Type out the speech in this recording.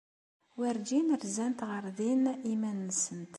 Werǧin rzant ɣer din iman-nsent.